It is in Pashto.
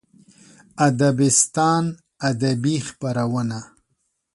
ادبستان ادبي خپرونه